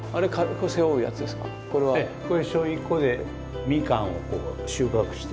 これ背負子でみかんをこう収穫して。